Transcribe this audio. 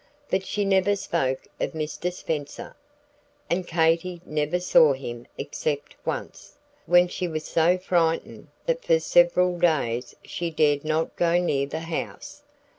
But she never spoke of Mr. Spenser, and Katy never saw him except once, when she was so frightened that for several days she dared not go near the house.